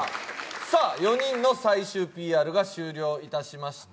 さあ４人の最終ＰＲが終了いたしました。